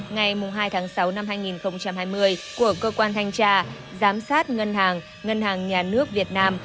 ngày hai tháng sáu năm hai nghìn hai mươi của cơ quan thanh tra giám sát ngân hàng ngân hàng nhà nước việt nam